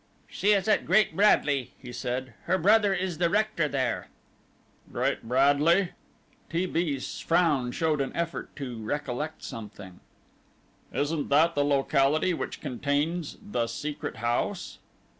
"She is at Great Bradley," he said; "her brother is the rector there." "Great Bradley?" T. B.'s frown showed an effort to recollect something. "Isn't that the locality which contains the Secret House?"